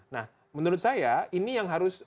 nah menurut saya ini yang harus